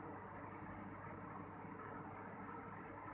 แต่ว่าจะเป็นแบบนี้